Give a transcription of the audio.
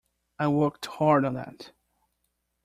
I worked hard on that!